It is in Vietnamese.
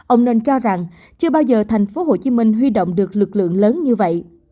ông nên cho rằng chưa bao giờ tp hcm huy động được lực lượng lớn như vậy